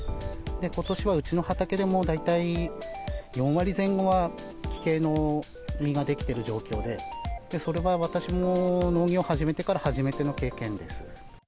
ことしはうちの畑でも大体４割前後は奇形の実が出来ている状況で、それは私も農業始めてから初めての経験です。